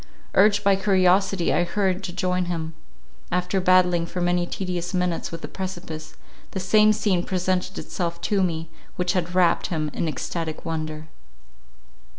Urged by curiosity, I hurried to join him. After battling for many tedious minutes with the precipice, the same scene presented itself to me, which had wrapt him in extatic wonder.